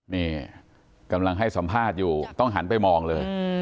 นี่กำลังให้สัมภาษณ์อยู่ต้องหันไปมองเลย